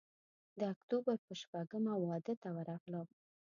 د اکتوبر پر شپږمه واده ته ورغلم.